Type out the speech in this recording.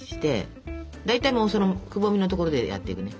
大体そのくぼみの所でやっていくね。